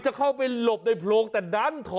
แบบนี้คือแบบนี้คือแบบนี้คือ